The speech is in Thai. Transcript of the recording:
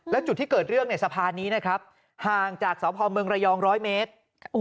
แล้วจุดที่เกิดเรื่องในสะพานนี้นะครับห่างจากสพเมืองระยอง๑๐๐เมตร